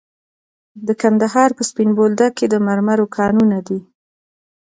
د کندهار په سپین بولدک کې د مرمرو کانونه دي.